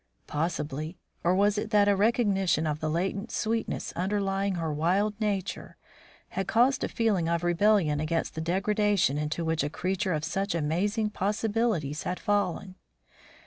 Possibly. Or was it that a recognition of the latent sweetness underlying her wild nature had caused a feeling of rebellion against the degradation into which a creature of such amazing possibilities had fallen?